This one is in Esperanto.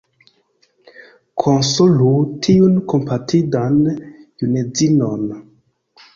Konsolu tiun kompatindan junedzinon!..